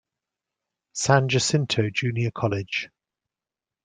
San Jacinto Junior College.